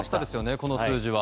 この数字は。